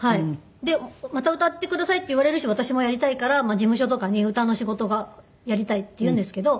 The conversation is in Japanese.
で「また歌ってください」って言われるし私もやりたいから事務所とかに「歌の仕事がやりたい」って言うんですけど。